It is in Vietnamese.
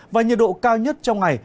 và nhiệt độ cao nhất trong ngày